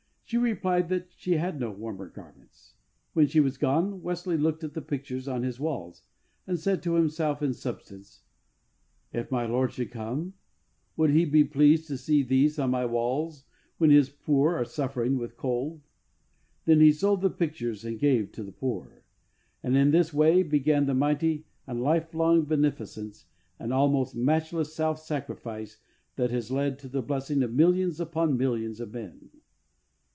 She replied that she had no warmer garments. When she was gone, Wesley looked at the pictures on his walls, and said to himself in substance, ''If my Lord should come, would He be pleased to see these on my walls when His poor are suffering w'ith cold?" Then he sold the pictures and gave to the poor. And in this way began that mighty and life long beneficence and almost matchless self sacrifice that has led to the blessing of millions upon millions of men.